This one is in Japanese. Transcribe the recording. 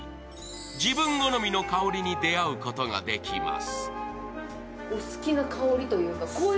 自分好みの香りに出会うことができます。